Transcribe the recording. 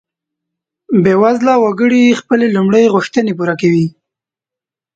بیوزله وګړي خپلې لومړۍ غوښتنې پوره کوي.